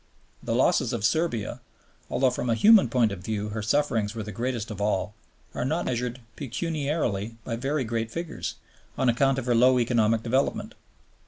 The losses of Serbia, although from a human point of view her sufferings were the greatest of all, are not measured pecuniarily by very great figures, on account of her low economic development.